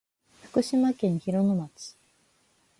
福島県広野町